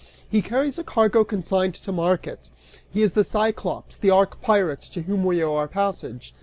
He carries a cargo consigned to market. He is the Cyclops, the arch pirate, to whom we owe our passage!